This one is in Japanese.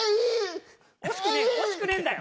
惜しくねえんだよ！